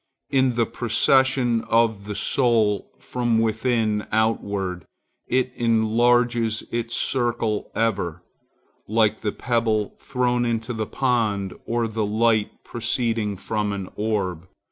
In the procession of the soul from within outward, it enlarges its circles ever, like the pebble thrown into the pond, or the light proceeding from an orb.